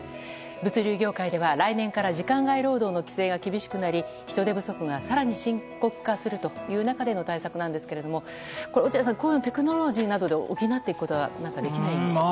物流業界では、来年から時間外労働の規制が厳しくなり人手不足が更に深刻化するという中での対策なんですが落合さんこれをテクノロジーなどで補っていくことはできないんでしょうか？